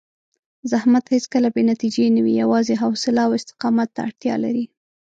زحمت هېڅکله بې نتیجې نه وي، یوازې حوصله او استقامت ته اړتیا لري.